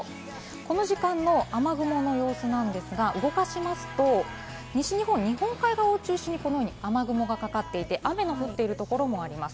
この時間の雨雲の様子なんですが、動かしますと、西日本、日本海側を中心にこのように雨雲がかかっていて、雨の降っているところもあります。